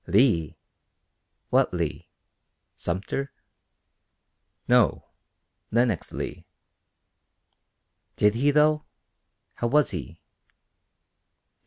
"Lee? What Lee? Sumpter?" "No; Lenox Leigh." "Did he, though? How was he?"